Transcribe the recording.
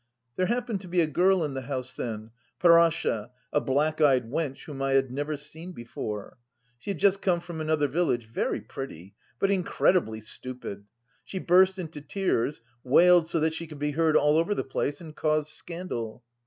There happened to be a girl in the house then, Parasha, a black eyed wench, whom I had never seen before she had just come from another village very pretty, but incredibly stupid: she burst into tears, wailed so that she could be heard all over the place and caused scandal.